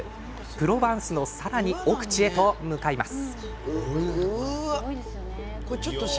プロヴァンスのさらに奥地へと向かいます。